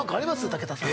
武田さん。